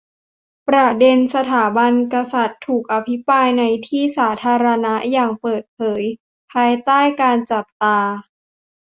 ประเด็นสถาบันกษัตริย์ถูกอภิปรายในที่สาธารณะอย่างเปิดเผย ภายใต้การจับตา